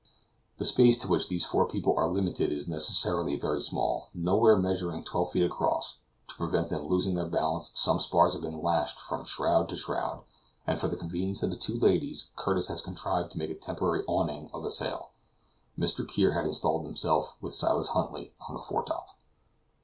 The space to which these four people are limited is necessarily very small, nowhere measuring twelve feet across: to prevent them losing their balance some spars have been lashed from shroud to shroud, and for the convenience of the two ladies Curtis has contrived to make a temporary awning of a sail. Mr. Kear has installed himself with Silas Huntly on the foretop.